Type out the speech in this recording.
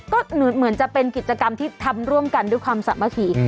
ก็เหมือนจะเป็นกิจกรรมที่ทำร่วมกันด้วยความสามัคคี